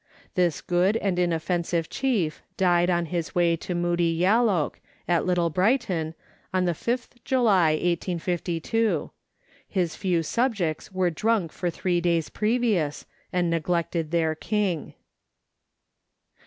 This good and inoffensive chief died on his way to Moody Yalloak, at Little Brighton, on the 5th July 1852 ; his few subjects were drunk for three days previous, and neglected their king.